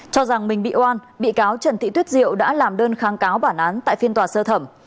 cho rằng mình bị oan bị cáo trần thị tuyết diệu đã làm đơn kháng cáo bản án tại phiên tòa sơ thẩm